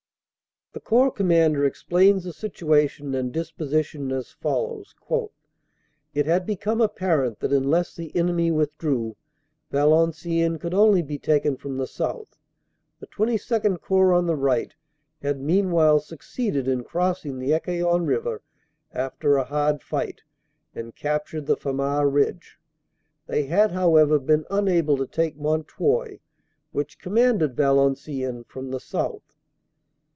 The Corps Commander explains the situation and disposi tion as follows: "It had become apparent that unless the enemy withdrew, Valenciennes could only be taken from the south. The XXII Corps, on the right, had meanwhile suc ceeded in crossing the Ecaillon River after a hard fight and captured the Famars Ridge. They had, however, been unable to take Mount Houy, which commanded Valenciennes from the south.